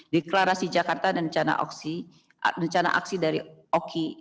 deklarasi jakarta rencana aksi dari oki